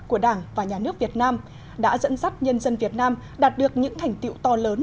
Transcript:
của đảng và nhà nước việt nam đã dẫn dắt nhân dân việt nam đạt được những thành tiệu to lớn